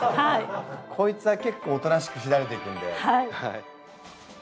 こいつは結構おとなしくしだれていくんで。